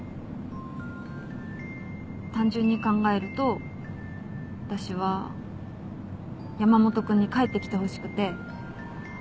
単純に考えると私は山本君に帰ってきてほしくて。